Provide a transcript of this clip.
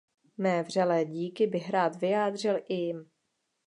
Mé vřelé díky bych rád vyjádřil i jim.